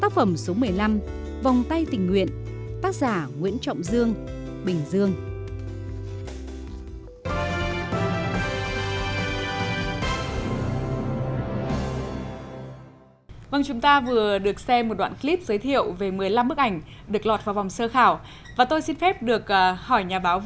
vào lớp đi con tác giả trần duy tình bình dương